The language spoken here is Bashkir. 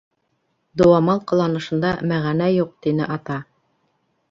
— Дыуамал ҡыланышында мәғәнә юҡ, — тине Ата.